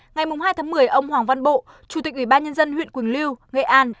ngày hai tháng một mươi ông hoàng văn bộ chủ tịch ủy ban nhân dân huyện quỳnh lưu nghệ an